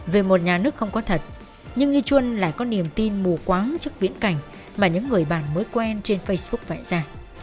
về một nhà nước không có thật nhưng nghi chuân lại có niềm tin mù quáng trước viễn cảnh mà những người bạn mới quen trên facebook vẽ ra